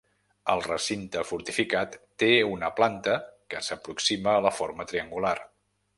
El recinte fortificat té una planta que s'aproxima a la forma triangular.